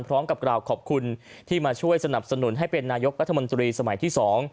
พร้อมกับกล่าวขอบคุณที่มาช่วยสนับสนุนให้เป็นนายกรัฐมนตรีสมัยที่๒